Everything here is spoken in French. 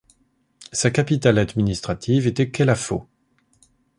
Sa capitale administrative était Kelafo.